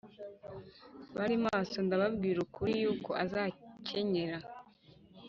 bari maso Ndababwira ukuri yuko azakenyera